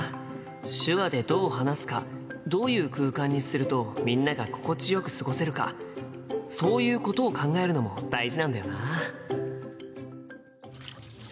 手話でどう話すかどういう空間にするとみんなが心地よく過ごせるかそういうことを考えるのも大事なんだよな。